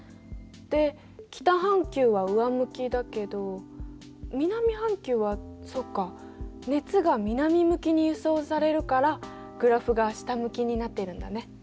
で北半球は上向きだけど南半球はそうか熱が南向きに輸送されるからグラフが下向きになってるんだね。